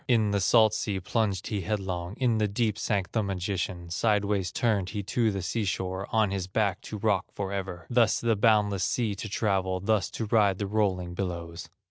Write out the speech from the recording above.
In the salt sea plunged he headlong, In the deep sank the magician, Sidewise turned he to the sea shore, On his back to rock forever, Thus the boundless sea to travel, Thus to ride the rolling billows."